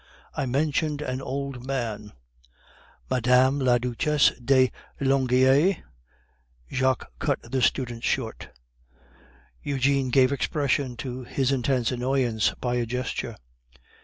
I mentioned an old man " "Madame la Duchess de Langeais," Jacques cut the student short; Eugene gave expression to his intense annoyance by a gesture.